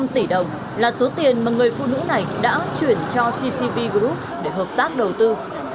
một mươi tỷ đồng là số tiền mà người phụ nữ này đã chuyển cho ccp group để hợp tác đầu tư